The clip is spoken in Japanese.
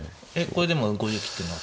これでも５０切ってんの？